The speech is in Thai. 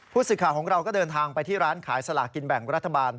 ผู้สื่อข่าวของเราก็เดินทางไปที่ร้านขายสลากินแบ่งรัฐบาล